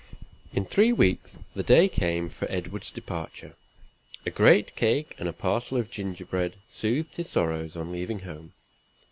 In three weeks, the day came for Edward's departure. A great cake and a parcel of gingerbread soothed his sorrows on leaving home.